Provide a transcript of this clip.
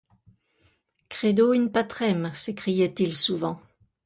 Credo in Patrem, s'écriait-il souvent.